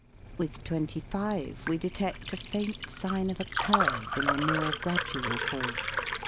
With twenty five we detect a faint sign of a curve in the more gradual fall.